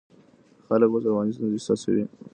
خلک اوس رواني ستونزې احساسوي.